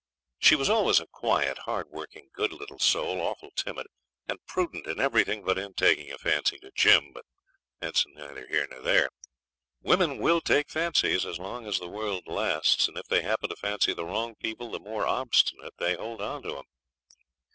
She was always a quiet, hard working, good little soul, awful timid, and prudent in everything but in taking a fancy to Jim. But that's neither here nor there. Women will take fancies as long as the world lasts, and if they happen to fancy the wrong people the more obstinate they hold on to 'em.